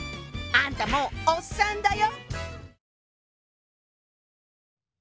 あんたもうおっさんだよ！